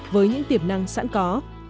với những tiềm năng sẵn có